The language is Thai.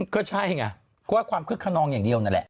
ก็ใช่ไงก็ว่าความคึกขนองอย่างเดียวนั่นแหละ